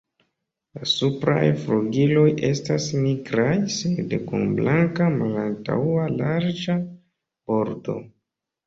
La supraj flugiloj estas nigraj sed kun blanka malantaŭa larĝa bordo.